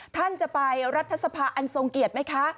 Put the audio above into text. ท่านจะไปรัฐสภาอันทรงเกียรติไหมคะ